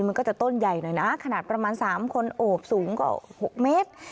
มันก็จะต้นใหญ่หน่อยนะขนาดประมาณ๓คนโอบสูงกว่า๖เมตร